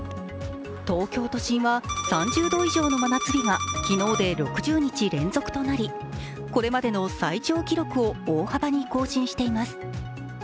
東京都心は３０度以上の真夏日が昨日で６０日連続となり、これまでの最長記録を大幅に更新しています。